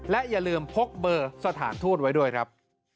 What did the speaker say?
และอย่าลืมพกเบอร์สถานทูตไว้ด้วยครับ